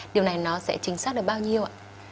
điều này nó sẽ chính xác được bao nhiêu ạ